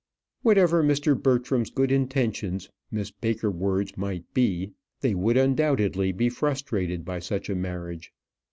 Whatever Mr. Bertram's good intentions Miss Baker wards might be, they would undoubtedly be frustrated by such a marriage.